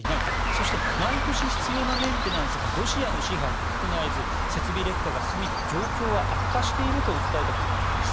そして毎年必要なメンテナンスがロシアの支配で行えず設備劣化が進み状況は悪化していると訴えたということです。